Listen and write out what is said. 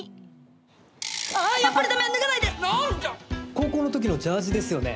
高校の時のジャージですよね。